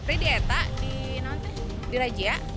ini di eta di raja